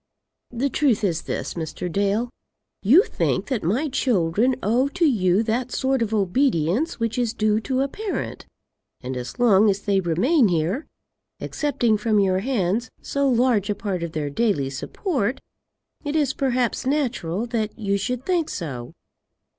"The truth is this, Mr. Dale. You think that my children owe to you that sort of obedience which is due to a parent, and as long as they remain here, accepting from your hands so large a part of their daily support, it is perhaps natural that you should think so.